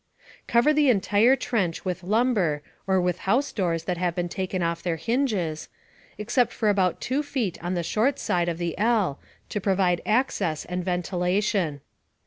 Cover the entire trench with lumber (or with house doors that have been taken off their hinges), except for about 2 feet on the short side of the L, to provide access and ventilation.